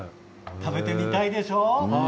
食べてみたいでしょ？